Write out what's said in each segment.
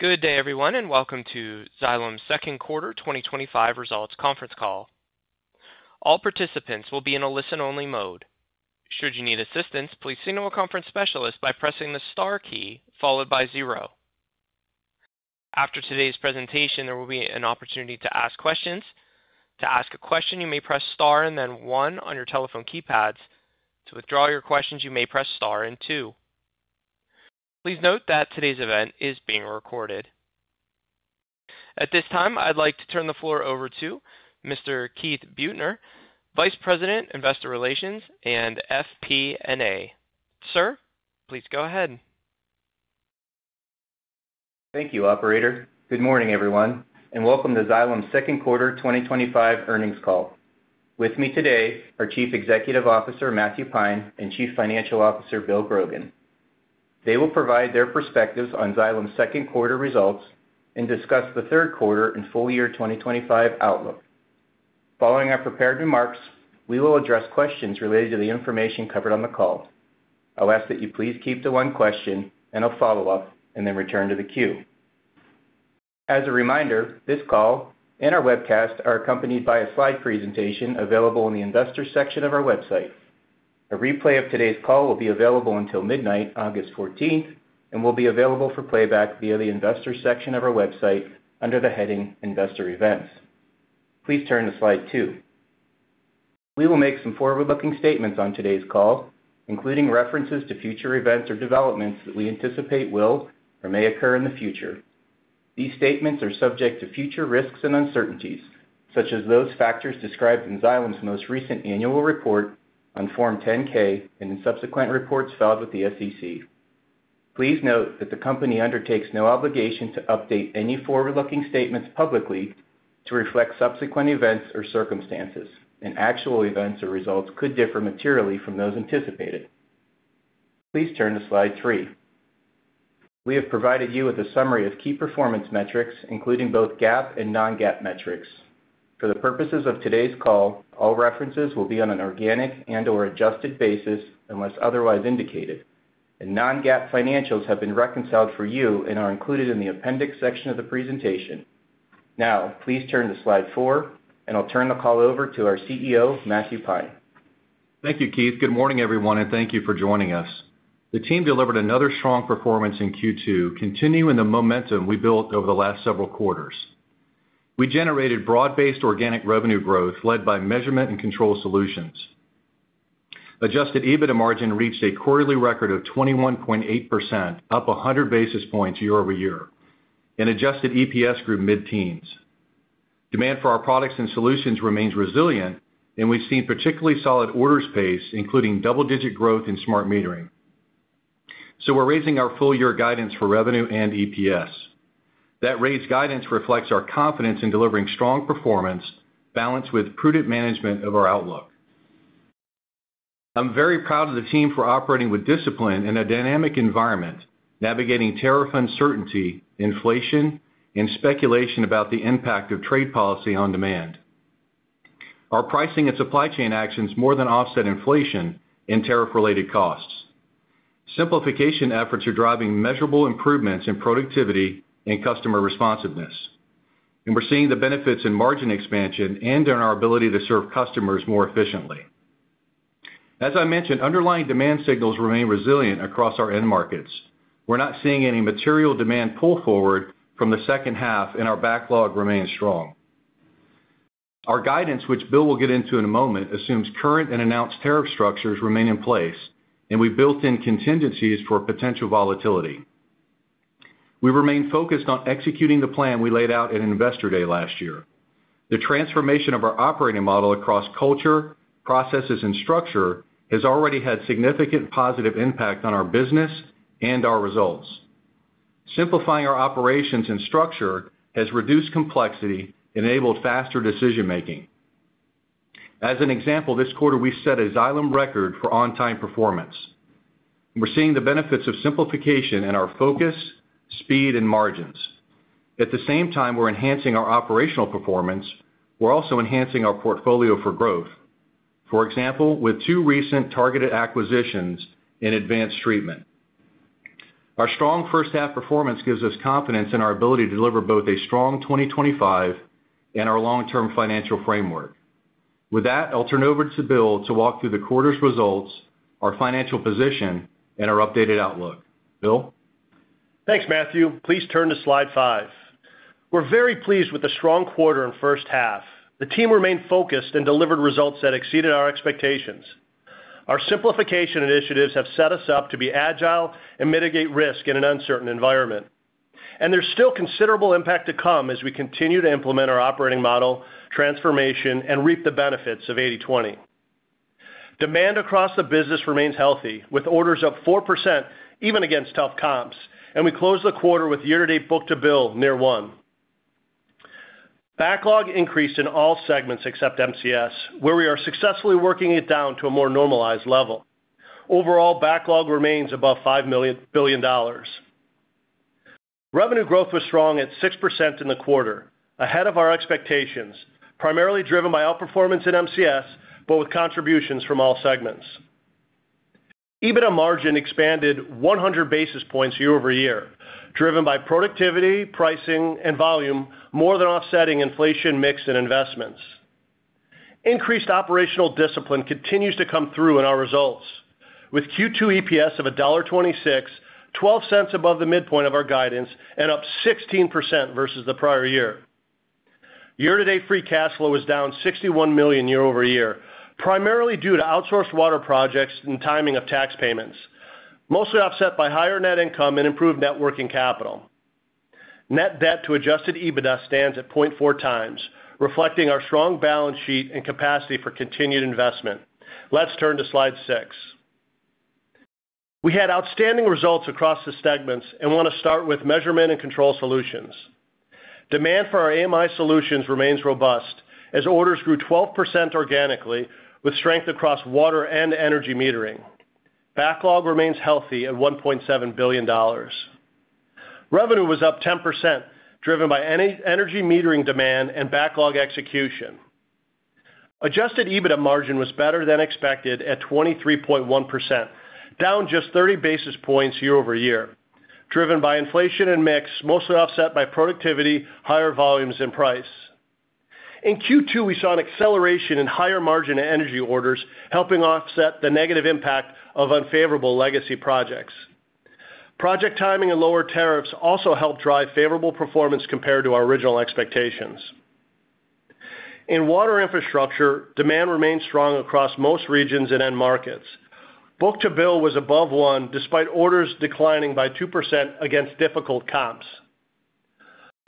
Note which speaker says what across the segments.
Speaker 1: Good day, everyone, and welcome to Xylem's second quarter 2025 results conference call. All participants will be in a listen-only mode. Should you need assistance, please signal a conference specialist by pressing the star key followed by zero. After today's presentation, there will be an opportunity to ask questions. To ask a question, you may press star and then one on your telephone keypads. To withdraw your questions, you may press star and two. Please note that today's event is being recorded. At this time, I'd like to turn the floor over to Mr. Keith Buettner, Vice President, Investor Relations, and FP&A. Sir, please go ahead.
Speaker 2: Thank you, Operator. Good morning, everyone, and welcome to Xylem's second quarter 2025 earnings call. With me today are Chief Executive Officer Matthew Pine and Chief Financial Officer Bill Grogan. They will provide their perspectives on Xylem's Second quarter results and discuss the third quarter and full year 2025 outlook. Following our prepared remarks, we will address questions related to the information covered on the call. I'll ask that you please keep to one question, and I'll follow up and then return to the queue. As a reminder, this call and our webcast are accompanied by a slide presentation available in the Investor section of our website. A replay of today's call will be available until midnight, August 14th, and will be available for playback via the Investor section of our website under the heading Investor Events. Please turn to slide two. We will make some forward-looking statements on today's call, including references to future events or developments that we anticipate will or may occur in the future. These statements are subject to future risks and uncertainties, such as those factors described in Xylem's most recent annual report on Form 10-K and in subsequent reports filed with the SEC. Please note that the company undertakes no obligation to update any forward-looking statements publicly to reflect subsequent events or circumstances, and actual events or results could differ materially from those anticipated. Please turn to slide three. We have provided you with a summary of key performance metrics, including both GAAP and non-GAAP metrics. For the purposes of today's call, all references will be on an organic and/or adjusted basis unless otherwise indicated, and non-GAAP financials have been reconciled for you and are included in the appendix section of the presentation. Now, please turn to slide four, and I'll turn the call over to our CEO, Matthew Pine.
Speaker 3: Thank you, Keith. Good morning, everyone, and thank you for joining us. The team delivered another strong performance in Q2, continuing the momentum we built over the last several quarters. We generated broad-based organic revenue growth led by Measurement and Control Solutions. Adjusted EBITDA margin reached a quarterly record of 21.8%, up 100 basis points year-over-year, and adjusted EPS grew mid-teens. Demand for our products and solutions remains resilient, and we've seen particularly solid orders pace, including double-digit growth in smart metering. We are raising our full-year guidance for revenue and EPS. That raised guidance reflects our confidence in delivering strong performance balanced with prudent management of our outlook. I'm very proud of the team for operating with discipline in a dynamic environment, navigating tariff uncertainty, inflation, and speculation about the impact of trade policy on demand. Our pricing and supply chain actions more than offset inflation and tariff-related costs. Simplification efforts are driving measurable improvements in productivity and customer responsiveness. We are seeing the benefits in margin expansion and in our ability to serve customers more efficiently. As I mentioned, underlying demand signals remain resilient across our end markets. We are not seeing any material demand pull forward from the second half, and our backlog remains strong. Our guidance, which Bill will get into in a moment, assumes current and announced tariff structures remain in place, and we've built in contingencies for potential volatility. We remain focused on executing the plan we laid out at Investor Day last year. The transformation of our operating model across culture, processes, and structure has already had significant positive impact on our business and our results. Simplifying our operations and structure has reduced complexity and enabled faster decision-making. As an example, this quarter, we set a Xylem record for on-time performance. We are seeing the benefits of simplification in our focus, speed, and margins. At the same time, we are enhancing our operational performance. We are also enhancing our portfolio for growth, for example, with two recent targeted acquisitions and advanced treatment. Our strong first-half performance gives us confidence in our ability to deliver both a strong 2025 and our long-term financial framework. With that, I'll turn over to Bill to walk through the quarter's results, our financial position, and our updated outlook. Bill?
Speaker 4: Thanks, Matthew. Please turn to slide five. We're very pleased with the strong quarter and first half. The team remained focused and delivered results that exceeded our expectations. Our simplification initiatives have set us up to be agile and mitigate risk in an uncertain environment. There's still considerable impact to come as we continue to implement our operating model, transformation, and reap the benefits of 80/20. Demand across the business remains healthy, with orders up 4% even against tough comps, and we closed the quarter with year-to-date book to bill near one. Backlog increased in all segments except MCS, where we are successfully working it down to a more normalized level. Overall, backlog remains above $5 billion. Revenue growth was strong at 6% in the quarter, ahead of our expectations, primarily driven by outperformance in MCS, but with contributions from all segments. EBITDA margin expanded 100 basis points year-over-year, driven by productivity, pricing, and volume, more than offsetting inflation, mix, and investments. Increased operational discipline continues to come through in our results, with Q2 EPS of $1.26, $0.12 above the midpoint of our guidance and up 16% versus the prior year. Year-to-date free cash flow was down $61 million year-over-year, primarily due to outsourced water projects and timing of tax payments, mostly offset by higher net income and improved net working capital. Net debt to adjusted EBITDA stands at 0.4x, reflecting our strong balance sheet and capacity for continued investment. Let's turn to slide six. We had outstanding results across the segments and want to start with Measurement and Control Solutions. Demand for our AMI solutions remains robust as orders grew 12% organically, with strength across water and energy metering. Backlog remains healthy at $1.7 billion. Revenue was up 10%, driven by energy metering demand and backlog execution. Adjusted EBITDA margin was better than expected at 23.1%, down just 30 basis points year-over-year, driven by inflation and mix, mostly offset by productivity, higher volumes, and price. In Q2, we saw an acceleration in higher margin and energy orders, helping offset the negative impact of unfavorable legacy projects. Project timing and lower tariffs also helped drive favorable performance compared to our original expectations. In Water Infrastructure, demand remained strong across most regions and end markets. Book to bill was above one despite orders declining by 2% against difficult comps.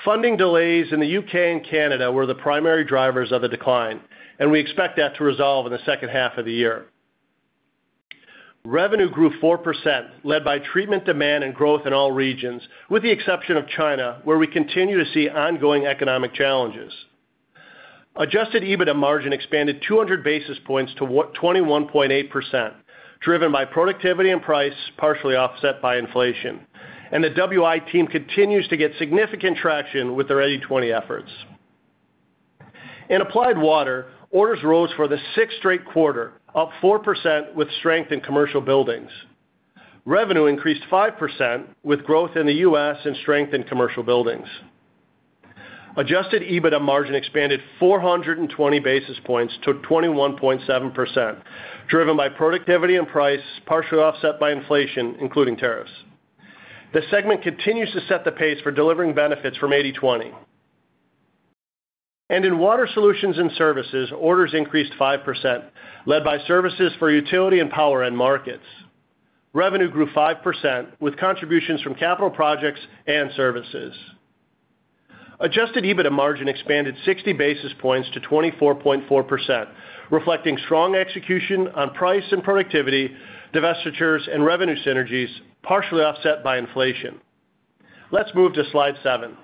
Speaker 4: Funding delays in the U.K. and Canada were the primary drivers of the decline, and we expect that to resolve in the second half of the year. Revenue grew 4%, led by treatment demand and growth in all regions, with the exception of China, where we continue to see ongoing economic challenges. Adjusted EBITDA margin expanded 200 basis points to 21.8%, driven by productivity and price, partially offset by inflation. The Water Infrastructure team continues to get significant traction with their 80/20 efforts. In Applied Water, orders rose for the sixth straight quarter, up 4% with strength in commercial buildings. Revenue increased 5% with growth in the U.S. and strength in commercial buildings. Adjusted EBITDA margin expanded 420 basis points to 21.7%, driven by productivity and price, partially offset by inflation, including tariffs. The segment continues to set the pace for delivering benefits from 80/20. In Water Solutions and Services, orders increased 5%, led by services for utility and power end markets. Revenue grew 5% with contributions from capital projects and services. Adjusted EBITDA margin expanded 60 basis points to 24.4%, reflecting strong execution on price and productivity, divestitures, and revenue synergies, partially offset by inflation. Let's move to slide seven.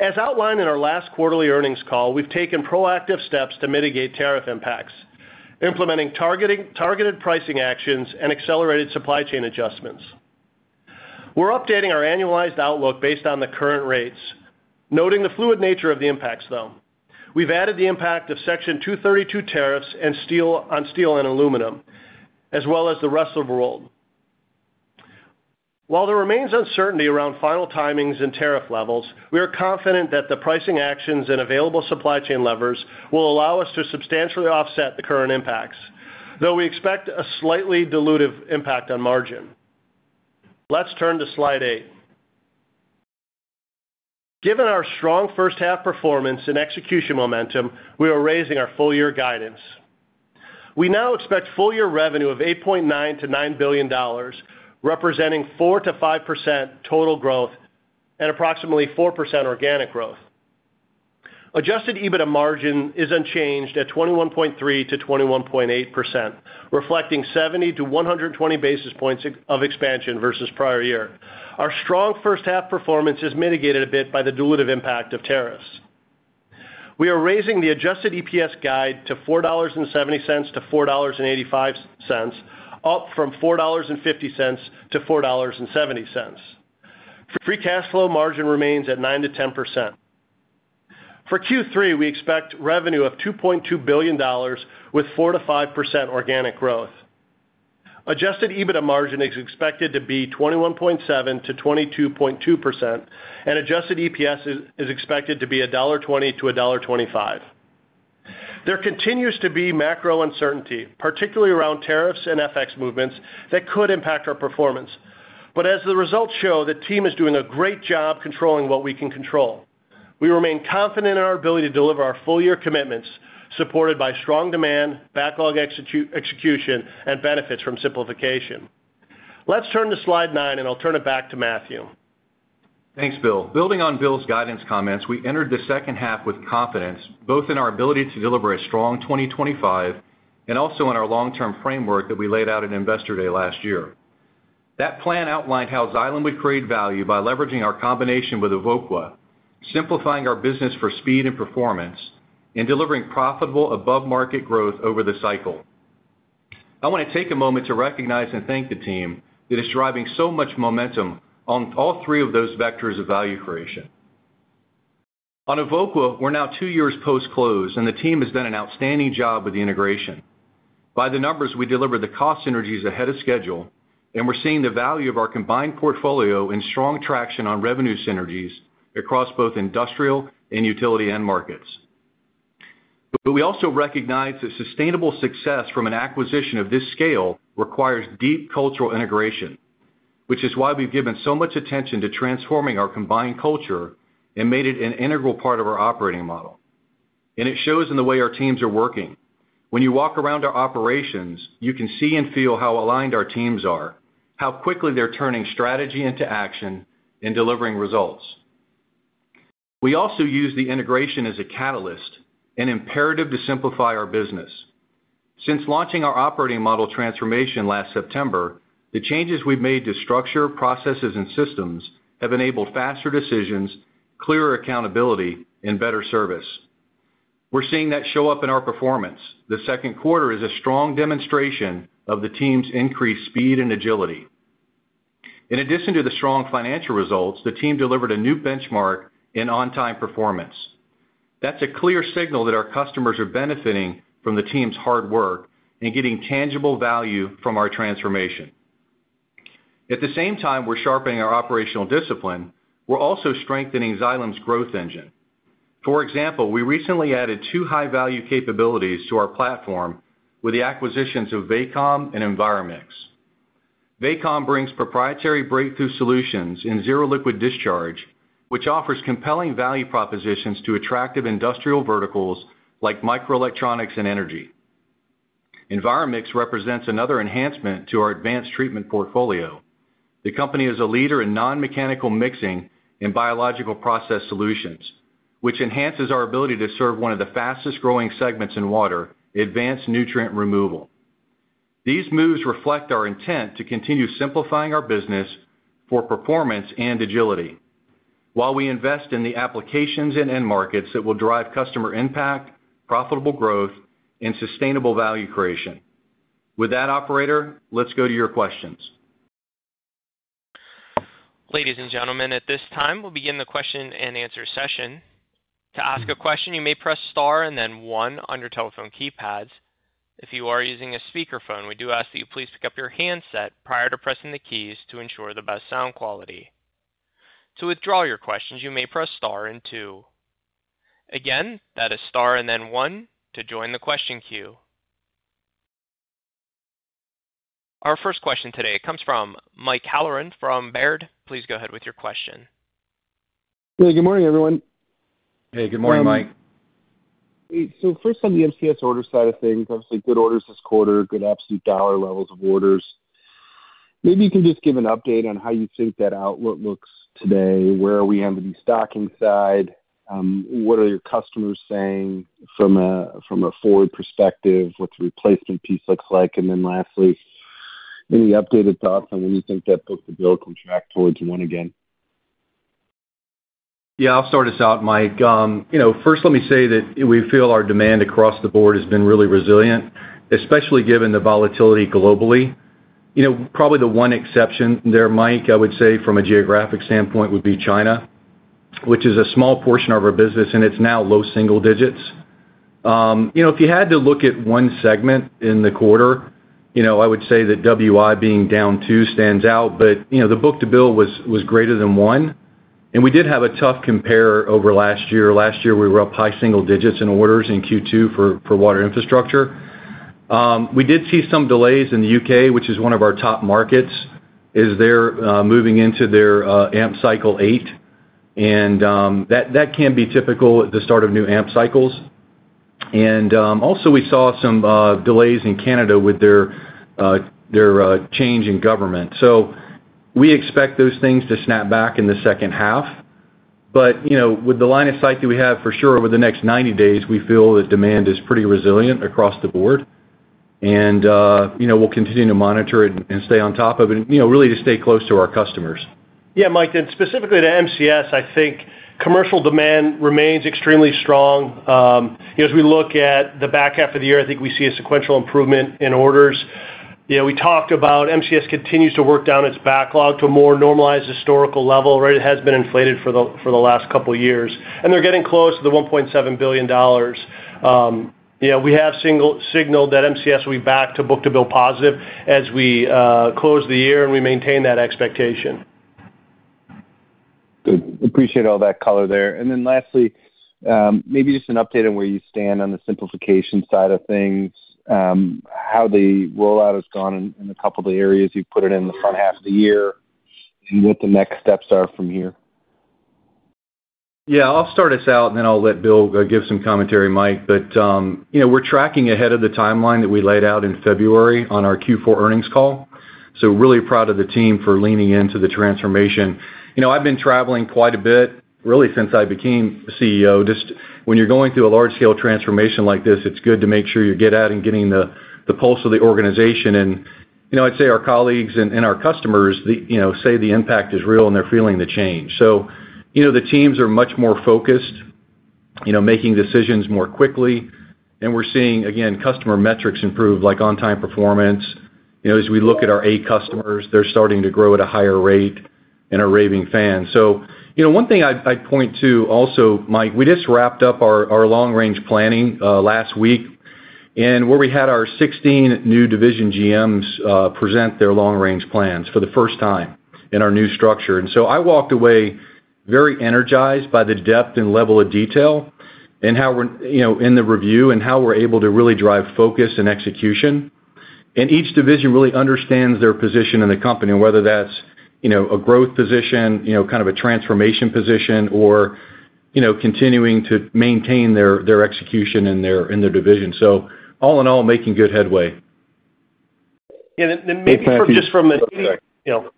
Speaker 4: As outlined in our last quarterly earnings call, we've taken proactive steps to mitigate tariff impacts, implementing targeted pricing actions and accelerated supply chain adjustments. We're updating our annualized outlook based on the current rates, noting the fluid nature of the impacts, though. We've added the impact of Section 232 tariffs on steel and aluminum, as well as the rest of the world. While there remains uncertainty around final timings and tariff levels, we are confident that the pricing actions and available supply chain levers will allow us to substantially offset the current impacts, though we expect a slightly dilutive impact on margin. Let's turn to slide eight. Given our strong first-half performance and execution momentum, we are raising our full-year guidance. We now expect full-year revenue of $8.9 billion-$9 billion, representing 4%-5% total growth and approximately 4% organic growth. Adjusted EBITDA margin is unchanged at 21.3%-21.8%, reflecting 70 basis points-120 basis points of expansion versus prior year. Our strong first-half performance is mitigated a bit by the dilutive impact of tariffs. We are raising the adjusted EPS guide to $4.70-$4.85, up from $4.50-$4.70. Free cash flow margin remains at 9%-10%. For Q3, we expect revenue of $2.2 billion with 4%-5% organic growth. Adjusted EBITDA margin is expected to be 21.7%-22.2%, and adjusted EPS is expected to be $1.20-$1.25. There continues to be macro uncertainty, particularly around tariffs and FX movements that could impact our performance. As the results show, the team is doing a great job controlling what we can control. We remain confident in our ability to deliver our full-year commitments, supported by strong demand, backlog execution, and benefits from simplification. Let's turn to slide nine, and I'll turn it back to Matthew.
Speaker 3: Thanks, Bill. Building on Bill's guidance comments, we entered the second half with confidence, both in our ability to deliver a strong 2025 and also in our long-term framework that we laid out at Investor Day last year. That plan outlined how Xylem would create value by leveraging our combination with Evoqua, simplifying our business for speed and performance, and delivering profitable above-market growth over the cycle. I want to take a moment to recognize and thank the team that is driving so much momentum on all three of those vectors of value creation. On Evoqua, we're now two years post-close, and the team has done an outstanding job with the integration. By the numbers, we delivered the cost synergies ahead of schedule, and we're seeing the value of our combined portfolio and strong traction on revenue synergies across both industrial and utility end markets. We also recognize that sustainable success from an acquisition of this scale requires deep cultural integration, which is why we've given so much attention to transforming our combined culture and made it an integral part of our operating model. It shows in the way our teams are working. When you walk around our operations, you can see and feel how aligned our teams are, how quickly they're turning strategy into action and delivering results. We also use the integration as a catalyst and imperative to simplify our business. Since launching our operating model transformation last September, the changes we've made to structure, processes, and systems have enabled faster decisions, clearer accountability, and better service. We're seeing that show up in our performance. The second quarter is a strong demonstration of the team's increased speed and agility. In addition to the strong financial results, the team delivered a new benchmark in on-time performance. That's a clear signal that our customers are benefiting from the team's hard work and getting tangible value from our transformation. At the same time, we're sharpening our operational discipline. We're also strengthening Xylem's growth engine. For example, we recently added two high-value capabilities to our platform with the acquisitions of Vacom and Enviro-Mix. Vacom brings proprietary breakthrough solutions in zero liquid discharge, which offers compelling value propositions to attractive industrial verticals like microelectronics and energy. Enviro-Mix represents another enhancement to our advanced treatment portfolio. The company is a leader in non-mechanical mixing and biological process solutions, which enhances our ability to serve one of the fastest-growing segments in water, advanced nutrient removal. These moves reflect our intent to continue simplifying our business for performance and agility, while we invest in the applications and end markets that will drive customer impact, profitable growth, and sustainable value creation. With that, operator, let's go to your questions.
Speaker 1: Ladies and gentlemen, at this time, we'll begin the question and answer session. To ask a question, you may press star and then one on your telephone keypads. If you are using a speakerphone, we do ask that you please pick up your handset prior to pressing the keys to ensure the best sound quality. To withdraw your questions, you may press star and two. Again, that is star and then one to join the question queue. Our first question today comes from Mike Halloran from Baird. Please go ahead with your question.
Speaker 5: Hey, good morning, everyone.
Speaker 3: Hey, good morning, Mike.
Speaker 5: Hey, first, on the MCS order side of things, obviously good orders this quarter, good absolute dollar levels of orders. Maybe you can just give an update on how you think that outlook looks today. Where are we on the stocking side? What are your customers saying from a forward perspective, what the replacement piece looks like? Lastly, any updated thoughts on when you think that book to bill can track towards one again?
Speaker 3: Yeah, I'll start us out, Mike. First, let me say that we feel our demand across the board has been really resilient, especially given the volatility globally. Probably the one exception there, Mike, I would say from a geographic standpoint, would be China, which is a small portion of our business, and it's now low single digits. If you had to look at one segment in the quarter, I would say that WI being down two stands out, but the book to bill was greater than one. We did have a tough compare over last year. Last year, we were up high single digits in orders in Q2 for Water Infrastructure. We did see some delays in the U.K., which is one of our top markets, as they're moving into their AMP cycle eight. That can be typical at the start of new AMP cycles. We also saw some delays in Canada with their change in government. We expect those things to snap back in the second half. With the line of sight that we have for sure over the next 90 days, we feel that demand is pretty resilient across the board. We'll continue to monitor it and stay on top of it, really to stay close to our customers.
Speaker 4: Yeah, Mike, and specifically to MCS, I think commercial demand remains extremely strong. As we look at the back half of the year, I think we see a sequential improvement in orders. We talked about MCS continues to work down its backlog to a more normalized historical level. It has been inflated for the last couple of years, and they're getting close to the $1.7 billion. We have signaled that MCS will be back to book to bill positive as we close the year, and we maintain that expectation.
Speaker 5: Good. Appreciate all that color there. Lastly, maybe just an update on where you stand on the simplification side of things, how the rollout has gone in a couple of the areas you've put it in the front half of the year, and what the next steps are from here.
Speaker 3: Yeah, I'll start us out, and then I'll let Bill give some commentary, Mike. We're tracking ahead of the timeline that we laid out in February on our Q4 earnings call. Really proud of the team for leaning into the transformation. I've been traveling quite a bit, really, since I became CEO. Just when you're going through a large-scale transformation like this, it's good to make sure you get out and get in the pulse of the organization. I'd say our colleagues and our customers say the impact is real, and they're feeling the change. The teams are much more focused, making decisions more quickly. We're seeing, again, customer metrics improve, like on-time performance. As we look at our eight customers, they're starting to grow at a higher rate and are raving fans. One thing I'd point to also, Mike, we just wrapped up our long-range planning last week, where we had our 16 new division GMs present their long-range plans for the first time in our new structure. I walked away very energized by the depth and level of detail in the review and how we're able to really drive focus and execution. Each division really understands their position in the company, whether that's a growth position, kind of a transformation position, or continuing to maintain their execution in their division. All in all, making good headway.
Speaker 4: Yeah, maybe just from an 80/20 operating model.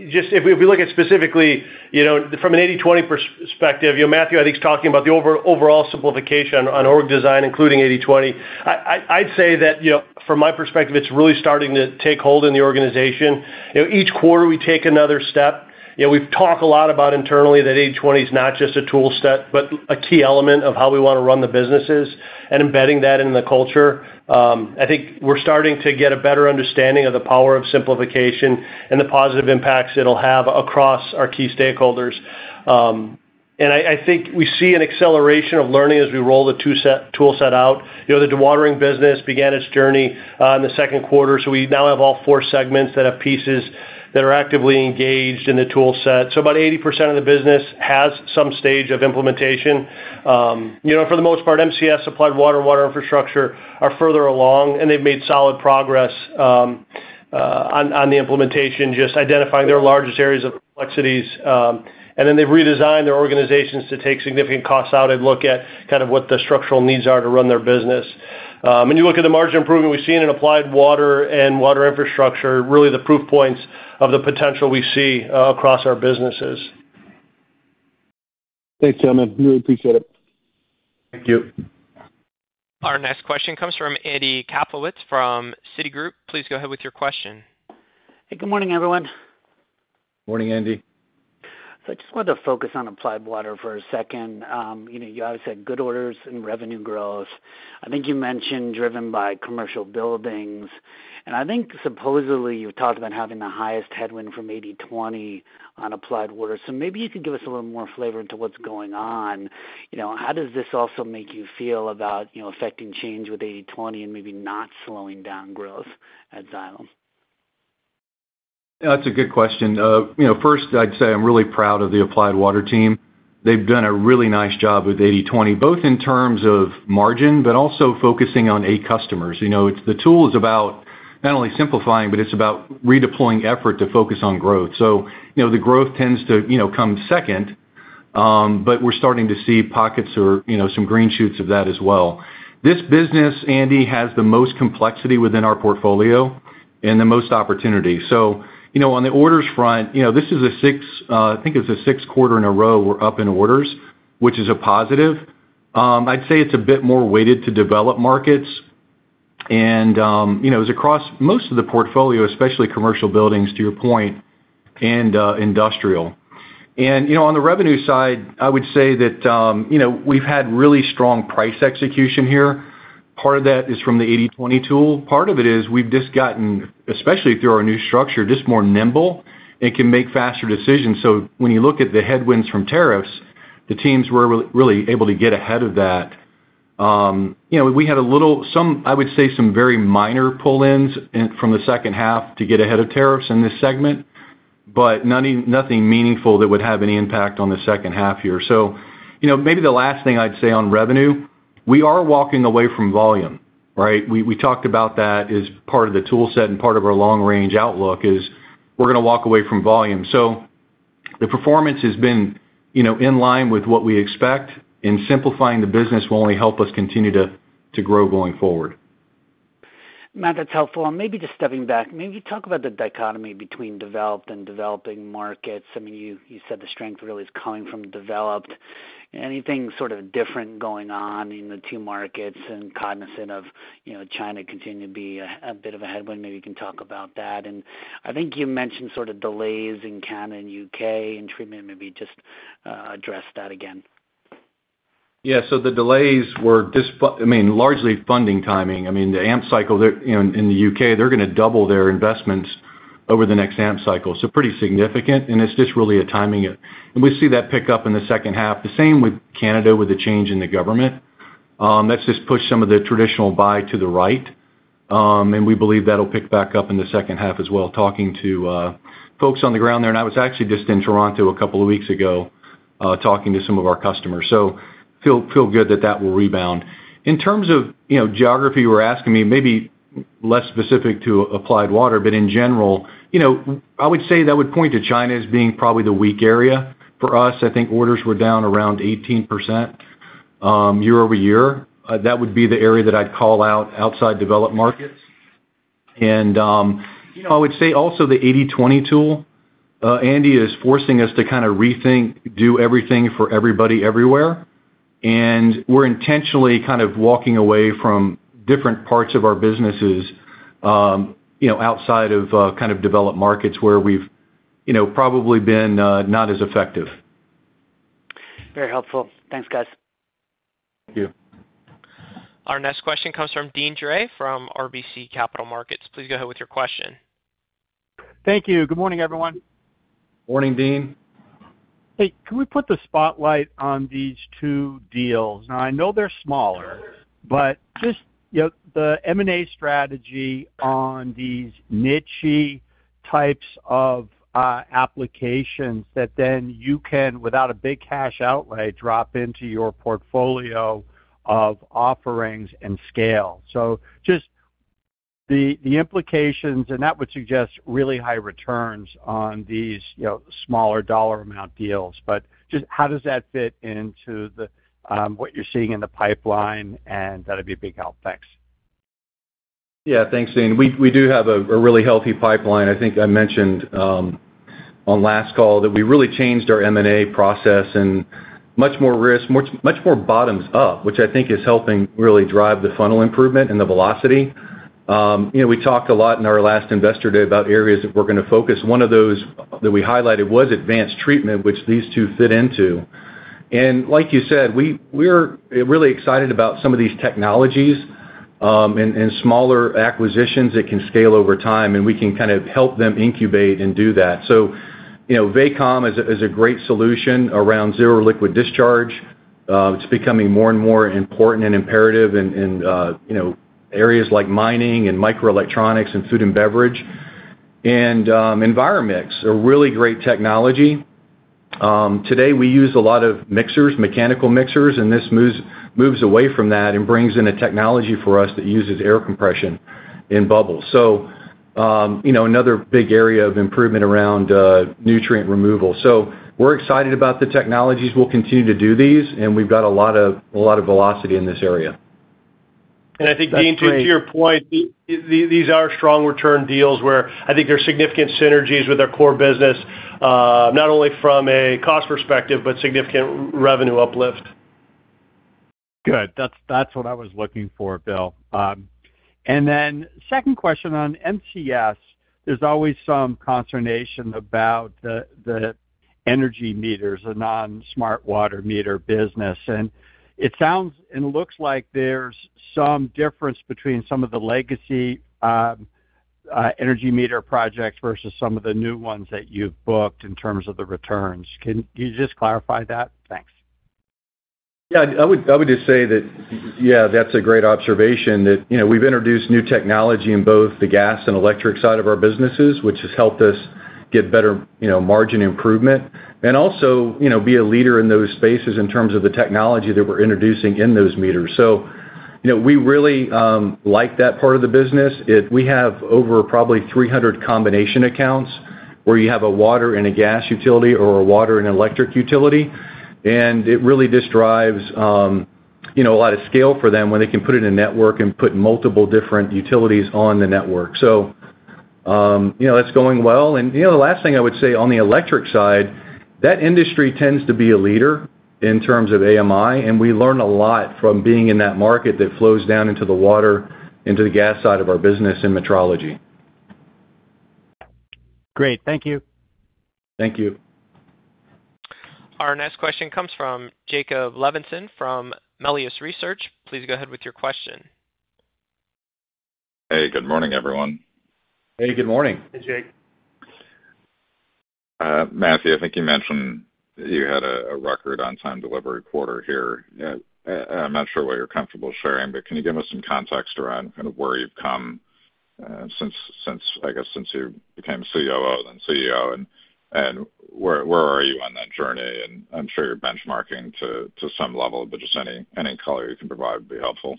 Speaker 5: Exactly.
Speaker 4: If we look at specifically from an 80/20 perspective, Matthew, I think he's talking about the overall simplification on org design, including 80/20. I'd say that from my perspective, it's really starting to take hold in the organization. Each quarter, we take another step. We've talked a lot about internally that 80/20 is not just a tool set, but a key element of how we want to run the businesses and embedding that in the culture. I think we're starting to get a better understanding of the power of simplification and the positive impacts it'll have across our key stakeholders. I think we see an acceleration of learning as we roll the tool set out. The dewatering business began its journey in the second quarter. We now have all four segments that have pieces that are actively engaged in the tool set. About 80% of the business has some stage of implementation. For the most part, MCS, Applied Water, and Water Infrastructure are further along, and they've made solid progress on the implementation, just identifying their largest areas of complexities. They've redesigned their organizations to take significant costs out and look at kind of what the structural needs are to run their business. When you look at the margin improvement we've seen in Applied Water and Water Infrastructure, really the proof points of the potential we see across our businesses.
Speaker 5: Thanks, gentlemen. Really appreciate it.
Speaker 3: Thank you.
Speaker 1: Our next question comes from Andy Kaplowitz from Citigroup. Please go ahead with your question.
Speaker 6: Hey, good morning, everyone.
Speaker 3: Morning, Andy.
Speaker 6: I just wanted to focus on Applied Water for a second. You obviously had good orders and revenue growth. I think you mentioned driven by commercial buildings. I think supposedly you've talked about having the highest headwind from 80/20 on Applied Water. Maybe you can give us a little more flavor into what's going on. How does this also make you feel about affecting change with 80/20 and maybe not slowing down growth at Xylem?
Speaker 3: That's a good question. First, I'd say I'm really proud of the Applied Water team. They've done a really nice job with 80/20, both in terms of margin, but also focusing on eight customers. The tool is about not only simplifying, but it's about redeploying effort to focus on growth. The growth tends to come second, but we're starting to see pockets or some green shoots of that as well. This business, Andy, has the most complexity within our portfolio and the most opportunity. On the orders front, this is a sixth quarter in a row we're up in orders, which is a positive. I'd say it's a bit more weighted to developed markets, and it was across most of the portfolio, especially commercial buildings, to your point, and industrial. On the revenue side, I would say that we've had really strong price execution here. Part of that is from the 80/20 tool. Part of it is we've just gotten, especially through our new structure, just more nimble and can make faster decisions. When you look at the headwinds from tariffs, the teams were really able to get ahead of that. We had a little, I would say some very minor pull-ins from the second half to get ahead of tariffs in this segment, but nothing meaningful that would have any impact on the second half here. Maybe the last thing I'd say on revenue, we are walking away from volume, right? We talked about that as part of the tool set and part of our long-range outlook is we're going to walk away from volume. The performance has been in line with what we expect, and simplifying the business will only help us continue to grow going forward.
Speaker 6: Matt, that's helpful. Maybe just stepping back, maybe you talk about the dichotomy between developed and developing markets. You said the strength really is coming from developed. Anything sort of different going on in the two markets and cognizant of China continuing to be a bit of a headwind? Maybe you can talk about that. I think you mentioned sort of delays in Canada and the U.K. in treatment. Maybe just address that again.
Speaker 3: Yeah, the delays were just, I mean, largely funding timing. The AMP cycle in the U.K., they're going to double their investments over the next AMP cycle, so pretty significant. It's just really a timing issue, and we see that pick up in the second half. The same with Canada with the change in the government. That's just pushed some of the traditional buy to the right, and we believe that'll pick back up in the second half as well, talking to folks on the ground there. I was actually just in Toronto a couple of weeks ago talking to some of our customers, so feel good that that will rebound. In terms of geography, you were asking me, maybe less specific to Applied Water, but in general, I would say that would point to China as being probably the weak area for us. I think orders were down around 18% year-over-year. That would be the area that I'd call out outside developed markets. I would say also the 80/20 tool, Andy, is forcing us to kind of rethink, do everything for everybody everywhere. We're intentionally kind of walking away from different parts of our businesses outside of kind of developed markets where we've probably been not as effective.
Speaker 6: Very helpful. Thanks, guys.
Speaker 3: Thank you.
Speaker 1: Our next question comes from Deane Dray from RBC Capital Markets. Please go ahead with your question.
Speaker 7: Thank you. Good morning, everyone.
Speaker 3: Morning, Deane.
Speaker 7: Can we put the spotlight on these two deals? I know they're smaller, but just the M&A strategy on these niche-y types of applications that you can, without a big cash outlay, drop into your portfolio of offerings and scale. The implications would suggest really high returns on these smaller dollar amount deals. How does that fit into what you're seeing in the pipeline? That'd be a big help. Thanks.
Speaker 3: Yeah, thanks, Deane. We do have a really healthy pipeline. I think I mentioned on last call that we really changed our M&A process and much more risk, much more bottoms up, which I think is helping really drive the funnel improvement and the velocity. We talked a lot in our last Investor Day about areas that we're going to focus. One of those that we highlighted was advanced treatment, which these two fit into. Like you said, we're really excited about some of these technologies and smaller acquisitions that can scale over time, and we can kind of help them incubate and do that. Vacom is a great solution around zero liquid discharge. It's becoming more and more important and imperative in areas like mining and microelectronics and food and beverage. Enviro-Mix, a really great technology. Today, we use a lot of mixers, mechanical mixers, and this moves away from that and brings in a technology for us that uses air compression in bubbles. Another big area of improvement around nutrient removal. We're excited about the technologies. We'll continue to do these, and we've got a lot of velocity in this area.
Speaker 4: I think, Deane, to your point, these are strong return deals where I think there's significant synergies with our core business, not only from a cost perspective, but significant revenue uplift.
Speaker 7: Good. That's what I was looking for, Bill. Second question on MCS, there's always some consternation about the energy meters, the non-smart water meter business. It sounds and it looks like there's some difference between some of the legacy energy meter projects versus some of the new ones that you've booked in terms of the returns. Can you just clarify that? Thanks.
Speaker 3: Yeah, I would just say that that's a great observation that we've introduced new technology in both the gas and electric side of our businesses, which has helped us get better margin improvement and also be a leader in those spaces in terms of the technology that we're introducing in those meters. We really like that part of the business. We have over probably 300 combination accounts where you have a water and a gas utility or a water and electric utility. It really just drives a lot of scale for them when they can put it in a network and put multiple different utilities on the network. That's going well. The last thing I would say on the electric side, that industry tends to be a leader in terms of AMI. We learn a lot from being in that market that flows down into the water, into the gas side of our business and metrology.
Speaker 7: Great. Thank you.
Speaker 3: Thank you.
Speaker 1: Our next question comes from Jacob Levinson from Melius Research. Please go ahead with your question.
Speaker 8: Hey, good morning, everyone.
Speaker 3: Hey, good morning.
Speaker 4: Hey, Jake.
Speaker 8: Matthew, I think you mentioned that you had a record on-time delivery quarter here. I'm not sure what you're comfortable sharing, but can you give us some context around kind of where you've come since, I guess, since you became COO and CEO? Where are you on that journey? I'm sure you're benchmarking to some level, but just any color you can provide would be helpful.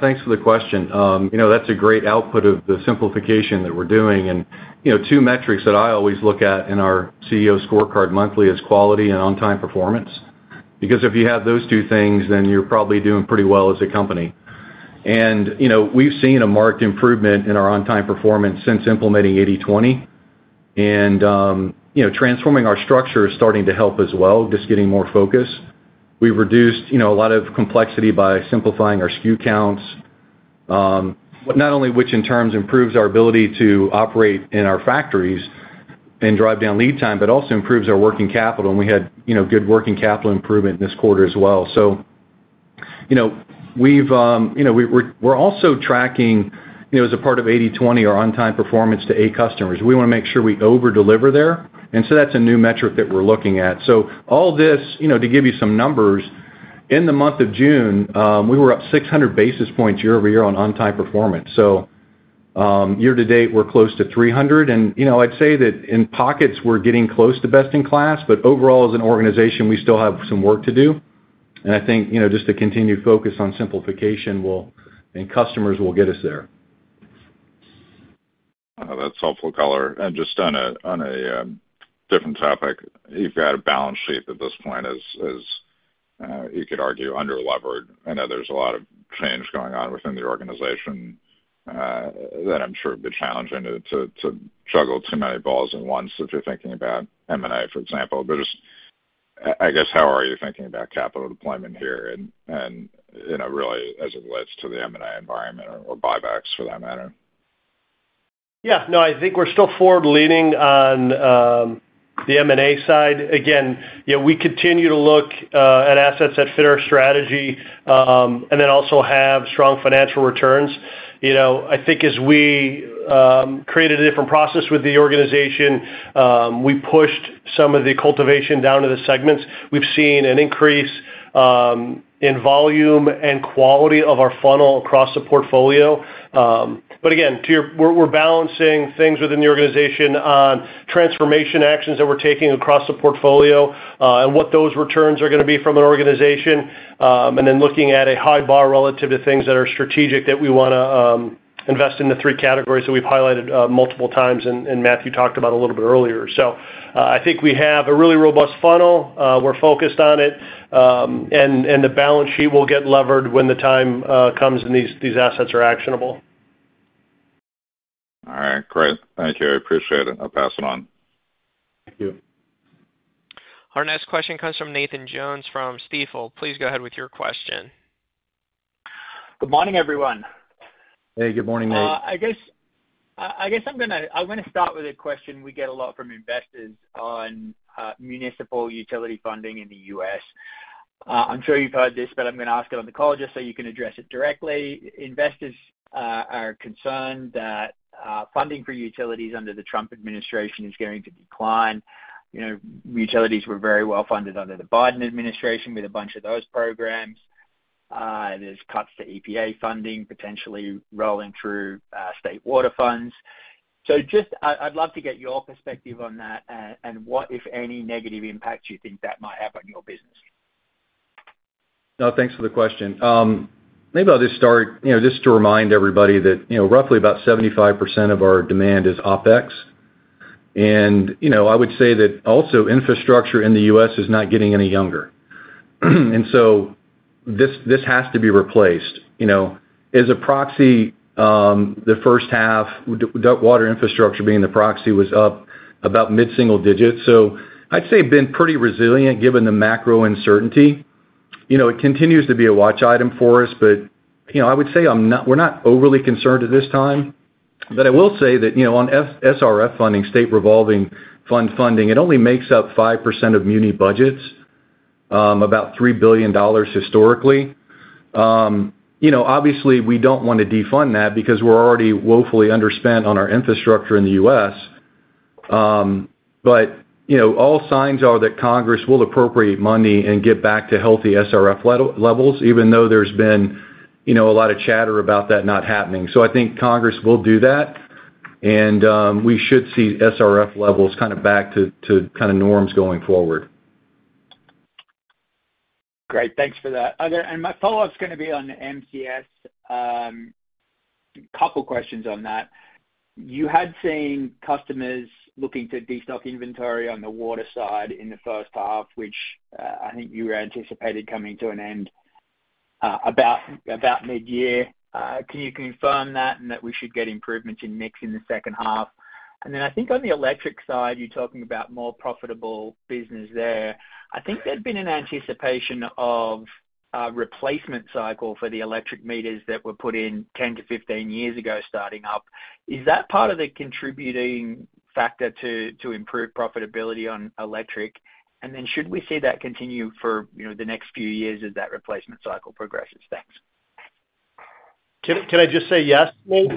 Speaker 3: Thanks for the question. That's a great output of the simplification that we're doing. Two metrics that I always look at in our CEO scorecard monthly are quality and on-time performance, because if you have those two things, then you're probably doing pretty well as a company. We've seen a marked improvement in our on-time performance since implementing 80/20. Transforming our structure is starting to help as well, just getting more focus. We've reduced a lot of complexity by simplifying our SKU counts, which in turn improves our ability to operate in our factories and drive down lead time, but also improves our working capital. We had good working capital improvement this quarter as well. We're also tracking, as a part of 80/20, our on-time performance to eight customers. We want to make sure we overdeliver there, and that's a new metric that we're looking at. All this, to give you some numbers, in the month of June, we were up 600 basis points year-over-year on on-time performance. Year to date, we're close to 300. I'd say that in pockets, we're getting close to best in class, but overall, as an organization, we still have some work to do. I think just a continued focus on simplification and customers will get us there.
Speaker 8: That's helpful color. Just on a different topic, you've got a balance sheet at this point as you could argue underlevered. I know there's a lot of change going on within the organization. That I'm sure would be challenging to juggle too many balls at once if you're thinking about M&A, for example. Just, I guess, how are you thinking about capital deployment here and really as it relates to the M&A environment or buybacks for that matter?
Speaker 4: Yeah. No, I think we're still forward-leaning on the M&A side. Again, we continue to look at assets that fit our strategy and then also have strong financial returns. I think as we created a different process with the organization, we pushed some of the cultivation down to the segments. We've seen an increase in volume and quality of our funnel across the portfolio. We're balancing things within the organization on transformation actions that we're taking across the portfolio and what those returns are going to be from an organization, and then looking at a high bar relative to things that are strategic that we want to invest in the three categories that we've highlighted multiple times and Matthew talked about a little bit earlier. I think we have a really robust funnel. We're focused on it, and the balance sheet will get levered when the time comes and these assets are actionable.
Speaker 8: All right. Great. Thank you. I appreciate it. I'll pass it on.
Speaker 3: Thank you.
Speaker 1: Our next question comes from Nathan Jones from Stifel. Please go ahead with your question.
Speaker 9: Good morning, everyone.
Speaker 3: Hey, good morning, Nate.
Speaker 9: I guess I'm going to start with a question we get a lot from investors on. Municipal utility funding in the U.S. I'm sure you've heard this, but I'm going to ask it on the call just so you can address it directly. Investors are concerned that funding for utilities under the Trump administration is going to decline. Utilities were very well funded under the Biden administration with a bunch of those programs. There are cuts to EPA funding, potentially rolling through state water funds. I'd love to get your perspective on that and what, if any, negative impacts you think that might have on your business.
Speaker 3: No, thanks for the question. Maybe I'll just start to remind everybody that roughly about 75% of our demand is OpEx. I would say that also infrastructure in the U.S. is not getting any younger. This has to be replaced. As a proxy, the first half, WI being the proxy, was up about mid-single digits. I'd say been pretty resilient given the macro uncertainty. It continues to be a watch item for us, but I would say we're not overly concerned at this time. I will say that on SRF funding, state revolving fund funding, it only makes up 5% of muni budgets, about $3 billion historically. Obviously, we don't want to defund that because we're already woefully underspent on our infrastructure in the U.S. All signs are that Congress will appropriate money and get back to healthy SRF levels, even though there's been a lot of chatter about that not happening. I think Congress will do that, and we should see SRF levels back to norms going forward.
Speaker 9: Great. Thanks for that. My follow-up is going to be on MCS. A couple of questions on that. You had seen customers looking to destock inventory on the water side in the first half, which I think you anticipated coming to an end about mid-year. Can you confirm that and that we should get improvements in mix in the second half? I think on the electric side, you're talking about more profitable business there. I think there'd been an anticipation of a replacement cycle for the electric meters that were put in 10-15 years ago starting up. Is that part of the contributing factor to improve profitability on electric? Should we see that continue for the next few years as that replacement cycle progresses? Thanks.
Speaker 4: Can I just say yes, Nate?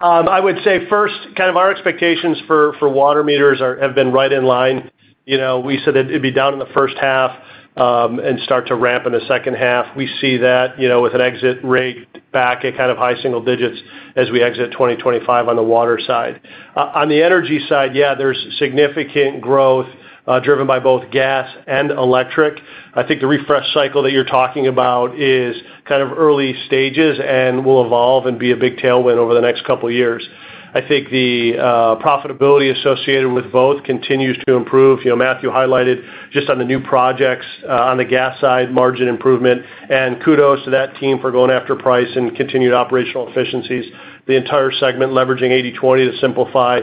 Speaker 4: I would say first, kind of our expectations for water meters have been right in line. We said it'd be down in the first half and start to ramp in the second half. We see that with an exit rate back at kind of high single digits as we exit 2025 on the water side. On the energy side, yeah, there's significant growth driven by both gas and electric. I think the refresh cycle that you're talking about is kind of early stages and will evolve and be a big tailwind over the next couple of years. I think the profitability associated with both continues to improve. Matthew highlighted just on the new projects on the gas side, margin improvement, and kudos to that team for going after price and continued operational efficiencies. The entire segment leveraging 80/20 to simplify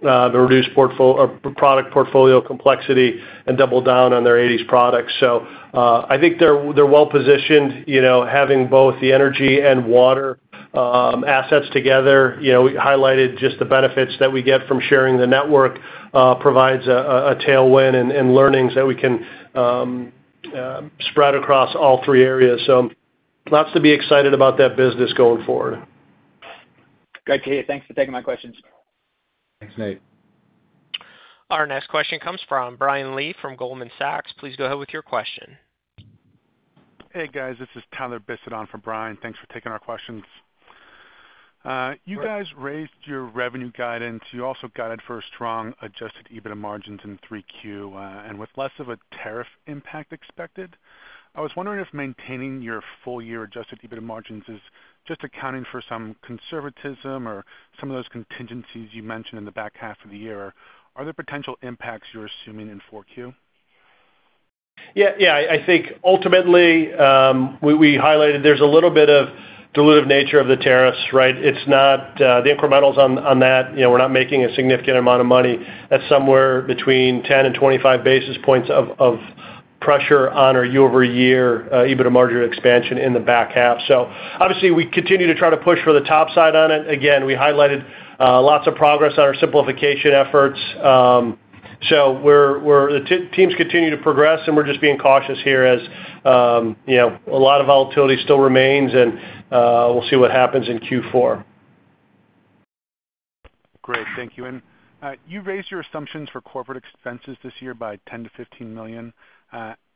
Speaker 4: the reduced product portfolio complexity and double down on their 80s products. I think they're well positioned having both the energy and water assets together. We highlighted just the benefits that we get from sharing the network provides a tailwind and learnings that we can spread across all three areas. Lots to be excited about that business going forward.
Speaker 9: Great to hear. Thanks for taking my questions.
Speaker 3: Thanks, Nate.
Speaker 1: Our next question comes from Brian Lee from Goldman Sachs. Please go ahead with your question.
Speaker 10: Hey, guys. This is Tyler Bisset on for Brian. Thanks for taking our questions. You guys raised your revenue guidance. You also guided for strong adjusted EBITDA margins in 3Q and with less of a tariff impact expected. I was wondering if maintaining your full-year adjusted EBITDA margins is just accounting for some conservatism or some of those contingencies you mentioned in the back half of the year. Are there potential impacts you're assuming in 4Q?
Speaker 4: Yeah. I think ultimately, we highlighted there's a little bit of dilutive nature of the tariffs, right? The incrementals on that, we're not making a significant amount of money. That's somewhere between 10 basis points and 25 basis points of pressure on our year-over-year EBITDA margin expansion in the back half. Obviously, we continue to try to push for the top side on it. Again, we highlighted lots of progress on our simplification efforts. The teams continue to progress, and we're just being cautious here as a lot of volatility still remains, and we'll see what happens in Q4.
Speaker 10: Great. Thank you. You raised your assumptions for corporate expenses this year by $10 million-$15 million.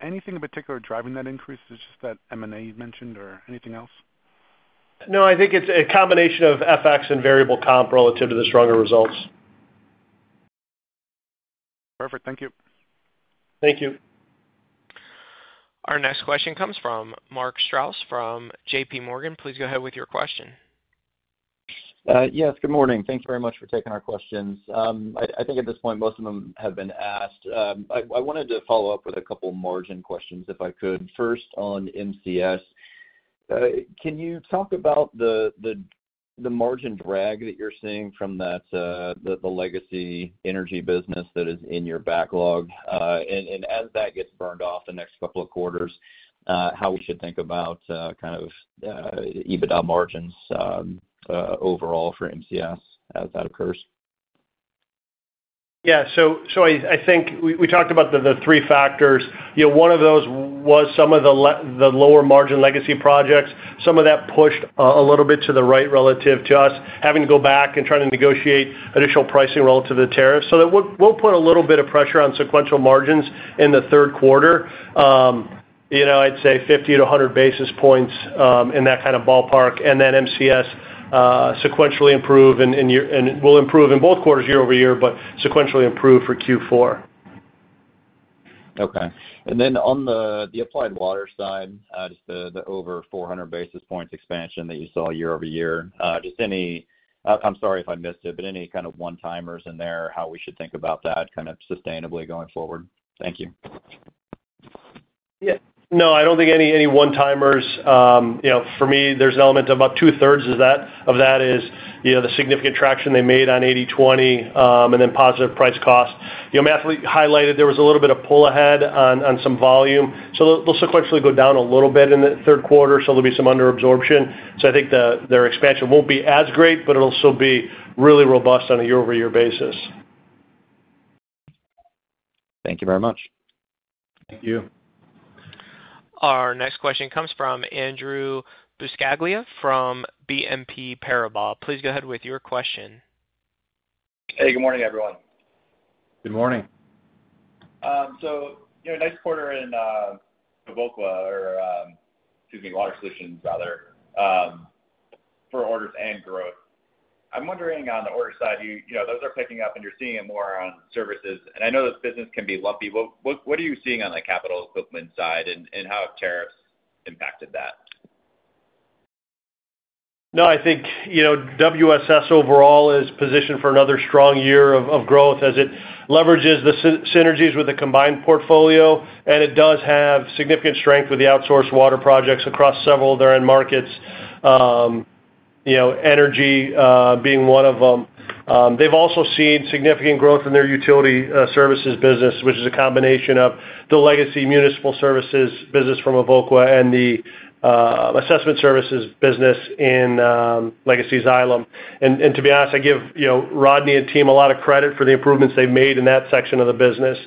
Speaker 10: Anything in particular driving that increase? Is it just that M&A you mentioned or anything else?
Speaker 4: No, I think it's a combination of FX and variable comp relative to the stronger results.
Speaker 10: Perfect. Thank you.
Speaker 4: Thank you.
Speaker 1: Our next question comes from Mark Strouse from JPMorgan. Please go ahead with your question.
Speaker 11: Yes. Good morning. Thank you very much for taking our questions. I think at this point, most of them have been asked. I wanted to follow up with a couple of margin questions if I could. First, on MCS. Can you talk about the margin drag that you're seeing from the legacy energy business that is in your backlog? As that gets burned off the next couple of quarters, how we should think about kind of EBITDA margins overall for MCS as that occurs?
Speaker 4: Yeah. I think we talked about the three factors. One of those was some of the lower margin legacy projects. Some of that pushed a little bit to the right relative to us having to go back and try to negotiate additional pricing relative to the tariffs. That will put a little bit of pressure on sequential margins in the third quarter. I'd say 50 basis points-100 basis points in that kind of ballpark. MCS will sequentially improve and will improve in both quarters year over year, but sequentially improve for Q4.
Speaker 11: Okay. On the Applied Water side, just the over 400 basis points expansion that you saw year-over-year, is there any kind of one-timers in there, how should we think about that kind of sustainably going forward? Thank you.
Speaker 4: Yeah. No, I don't think any one-timers. For me, there's an element of about two-thirds of that is the significant traction they made on 80/20 and then positive price cost. Matthew highlighted there was a little bit of pull ahead on some volume. They'll sequentially go down a little bit in the third quarter. There'll be some underabsorption. I think their expansion won't be as great, but it'll still be really robust on a year-over-year basis.
Speaker 11: Thank you very much.
Speaker 3: Thank you.
Speaker 1: Our next question comes from Andrew Buscaglia from BNP Paribas. Please go ahead with your question.
Speaker 12: Hey, good morning, everyone.
Speaker 3: Good morning.
Speaker 12: Next quarter in Water Solutions and Services, for orders and growth, I'm wondering on the order side, those are picking up and you're seeing it more on services. I know this business can be lumpy. What are you seeing on the capital equipment side and how have tariffs impacted that?
Speaker 4: I think WSS overall is positioned for another strong year of growth as it leverages the synergies with the combined portfolio. It does have significant strength with the outsourced water projects across several of their end markets, energy being one of them. They've also seen significant growth in their utility services business, which is a combination of the legacy municipal services business from Evoqua and the assessment services business in legacy Xylem. To be honest, I give Rodney and team a lot of credit for the improvements they've made in that section of the business.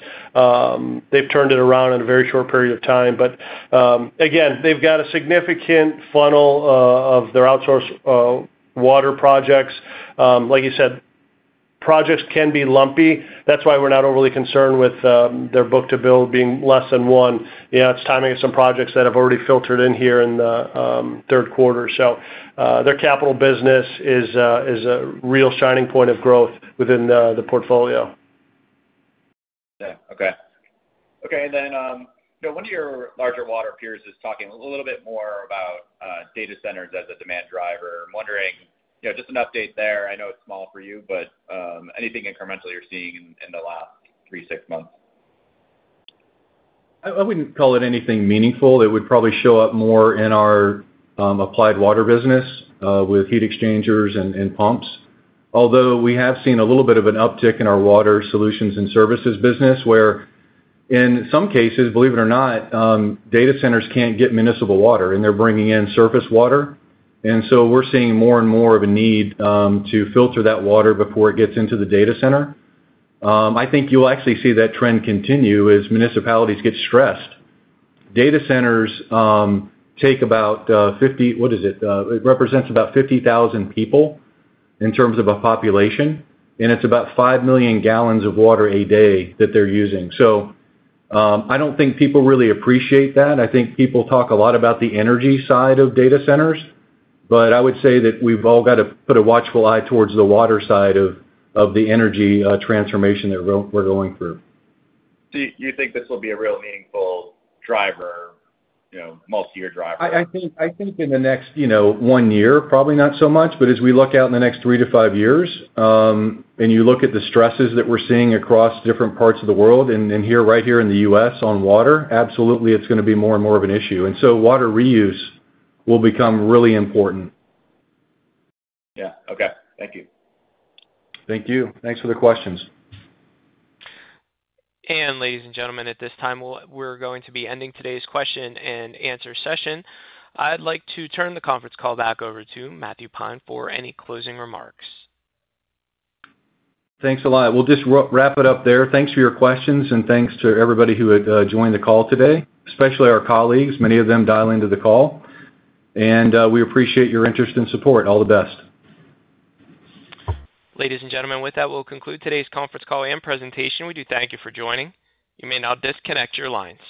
Speaker 4: They've turned it around in a very short period of time. They've got a significant funnel of their outsourced water projects. Like you said, projects can be lumpy. That's why we're not overly concerned with their book to bill being less than one. It's timing of some projects that have already filtered in here in the third quarter. Their capital business is a real shining point of growth within the portfolio.
Speaker 12: Okay. One of your larger water peers is talking a little bit more about data centers as a demand driver. I'm wondering, just an update there. I know it's small for you, but anything incremental you're seeing in the last three, six months?
Speaker 3: I wouldn't call it anything meaningful. It would probably show up more in our Applied Water business with heat exchangers and pumps. Although we have seen a little bit of an uptick in our Water Solutions and Services business where, in some cases, believe it or not, data centers can't get municipal water and they're bringing in surface water. We are seeing more and more of a need to filter that water before it gets into the data center. I think you'll actually see that trend continue as municipalities get stressed. Data centers take about 50,000 people in terms of a population, and it's about 5 million gallons of water a day that they're using. I don't think people really appreciate that. I think people talk a lot about the energy side of data centers, but I would say that we've all got to put a watchful eye towards the water side of the energy transformation that we're going through.
Speaker 12: Do you think this will be a real meaningful driver, multi-year driver?
Speaker 3: I think in the next one year, probably not so much. As we look out in the next three to five years, and you look at the stresses that we're seeing across different parts of the world, and right here in the U.S. on water, absolutely, it's going to be more and more of an issue. Water reuse will become really important.
Speaker 12: Yeah, okay. Thank you.
Speaker 3: Thank you. Thanks for the questions.
Speaker 1: Ladies and gentlemen, at this time, we're going to be ending today's question and answer session. I'd like to turn the conference call back over to Matthew Pine for any closing remarks.
Speaker 3: Thanks a lot. We'll just wrap it up there. Thanks for your questions. Thanks to everybody who joined the call today, especially our colleagues, many of them dialing into the call. We appreciate your interest and support. All the best.
Speaker 1: Ladies and gentlemen, with that, we'll conclude today's conference call and presentation. We do thank you for joining. You may now disconnect your lines.